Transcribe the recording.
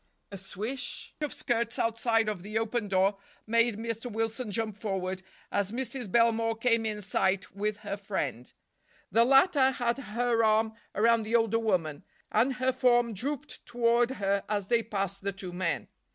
A swish of skirts outside of the open door made Mr. Wilson jump forward as Mrs. Belmore came in sight with her friend. The latter had her arm around the older woman, and her form drooped toward her as they passed the two men.